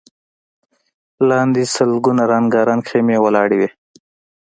لاندې سلګونه رنګارنګ خيمې ولاړې وې.